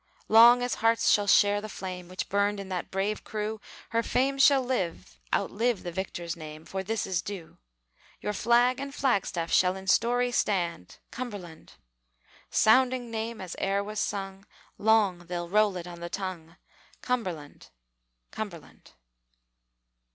Long as hearts shall share the flame Which burned in that brave crew, Her fame shall live outlive the victor's name; For this is due. Your flag and flag staff shall in story stand Cumberland! Sounding name as e'er was sung, Long they'll roll it on the tongue Cumberland! Cumberland!